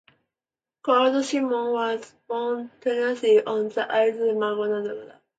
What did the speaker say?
Claude Simon was born in Tananarive on the isle of Madagascar.